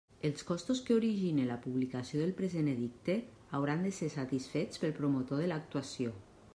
Els costos que origine la publicació del present edicte hauran de ser satisfets pel promotor de l'actuació.